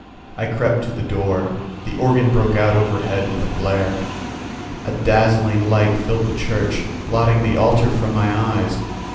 I crept to the door: the organ broke out overhead with a blare. A dazzling light filled the church, blotting the altar from my eyes.